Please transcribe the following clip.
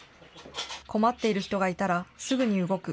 困っている人がいたらすぐに動く。